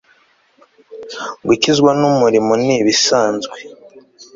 gukizwa n'umurimo ni ibisanzwe